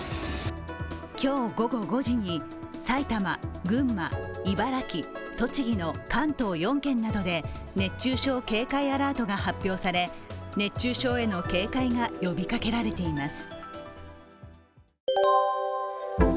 今日午後５時に、埼玉、群馬、茨城、栃木の関東４県などで熱中症警戒アラートが発表され熱中症への警戒が呼びかけられています。